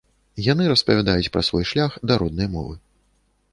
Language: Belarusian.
Яны распавядаюць пра свой шлях да роднай мовы.